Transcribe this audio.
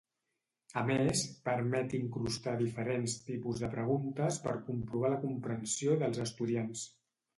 A més, permet incrustar diferents tipus de preguntes per comprovar la comprensió dels estudiants.